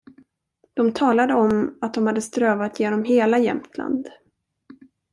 De talade om att de hade strövat igenom hela Jämtland.